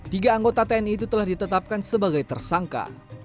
tiga anggota tni itu telah ditetapkan sebagai tersangka